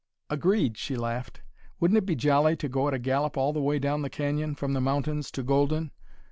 "Agreed!" she laughed. "Wouldn't it be jolly to go at a gallop all the way down the canyon, from the mountains to Golden?